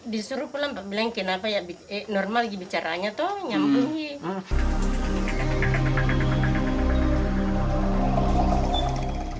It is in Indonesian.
disuruh pulang pak bilang kenapa ya normal lagi bicaranya tuh nyambung